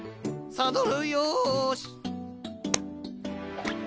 サドルよし。